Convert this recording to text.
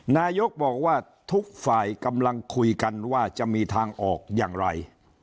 นายกบอกว่าทุกฝ่ายกำลังคุยกันว่าจะมีทางออกอย่างไร